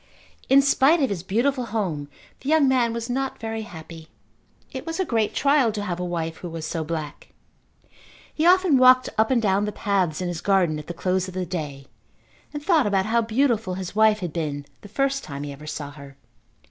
In spite of his beautiful home the young man was not very happy. It was a great trial to have a wife who was so black. He often walked up and down the paths in his garden at the close of the day and thought about how beautiful his wife had been the first time he ever saw her.